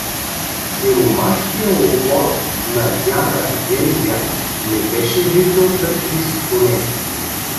Сиромашкия обор на дяда Гергя не беше виждал таквиз коне.